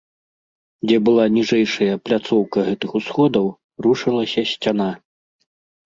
Дзе была ніжэйшая пляцоўка гэтых усходаў, рушылася сцяна.